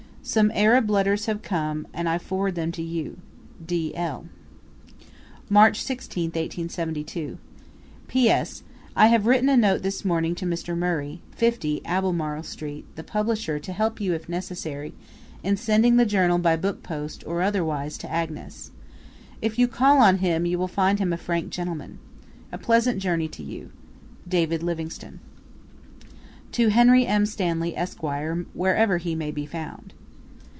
Some Arab letters have come, and I forward them to you. D. L. March 16, 1872. P.S. I have written a note this morning to Mr. Murray, 50, Albemarle Street, the publisher, to help you, if necessary, in sending the Journal by book post, or otherwise, to Agnes. If you call on him you will find him a frank gentleman. A pleasant journey to you. David Livingstone. To Henry M. Stanley, Esq., Wherever he may be found.